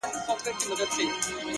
همدا اوس وايم درته ـ